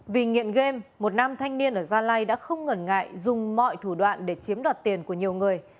vì nghiện game một nam thanh niên ở gia lai đã không ngần ngại dùng mọi thủ đoạn để chiếm đoạt tiền của nhiều người